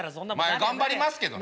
まあ頑張りますけどね。